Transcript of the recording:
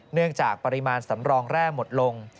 เนื่องจากปริมาณสำรองแร่หมดลง